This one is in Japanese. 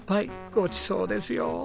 ごちそうですよ。